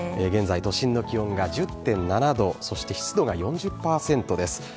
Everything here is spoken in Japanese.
現在、都心の気温が１０．７度、そして湿度が４０％です。